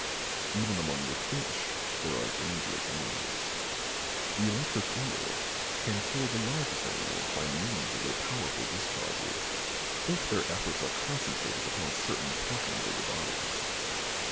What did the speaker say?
Even among the fish there are dangerous enemies. The electric eels "can kill the largest animals by means of their powerful discharges if their efforts are concentrated upon certain portions of the body."